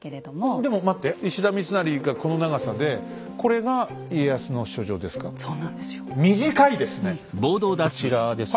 でも待って石田三成がこの長さでこれが家康の書状ですか？